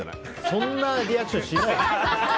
そんなリアクションしないよ。